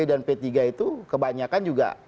dan p tiga itu kebanyakan juga